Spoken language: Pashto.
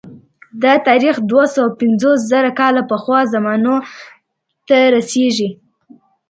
دا تاریخ دوه سوه پنځوس زره کاله پخوا زمانو ته رسېږي